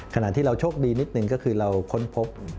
ขณะที่เราโชคดีนิดหนึ่งก็คือเราค้นพบ